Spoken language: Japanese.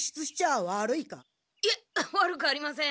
いえ悪くありません。